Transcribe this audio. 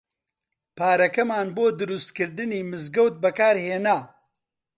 پارەکەمان بۆ دروستکردنی مزگەوت بەکار هێنا.